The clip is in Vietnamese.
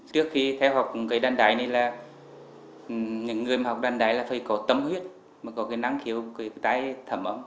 trước khi theo học đàn đáy những người học đàn đáy phải có tâm huyết có năng khiếu tay thẩm ấm